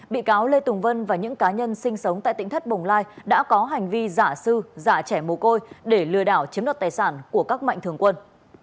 bị cáo lê tùng vân và những cá nhân sinh sống tại tỉnh thất bồng lai đã có hành vi giả sư giả trẻ mồ côi để lừa đảo chiếm đoạt tài sản của các mạnh thường quân